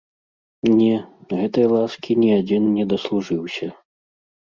Не, гэткай ласкі ні адзін не даслужыўся.